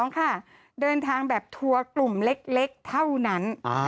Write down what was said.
๒ค่ะเดินทางแบบทัวร์กลุ่มเล็กเท่านั้น